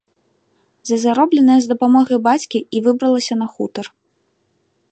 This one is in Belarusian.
За заробленае з дапамогай бацькі і выбралася на хутар.